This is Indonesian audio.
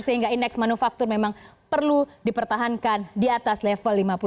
sehingga indeks manufaktur memang perlu dipertahankan di atas level lima puluh